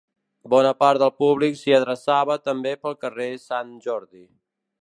Bona part del públic s'hi adreçava també pel carrer Sant Jordi.